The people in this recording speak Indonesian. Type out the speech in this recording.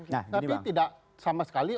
nah gini bang tapi tidak sama sekali